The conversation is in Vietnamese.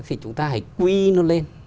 thì chúng ta hãy quy nó lên